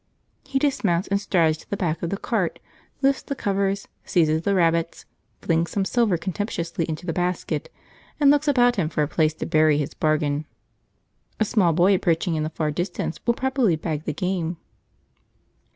He dismounts and strides to the back of the cart, lifts the covers, seizes the rabbits, flings some silver contemptuously into the basket, and looks about him for a place to bury his bargain. A small boy approaching in the far distance will probably bag the game.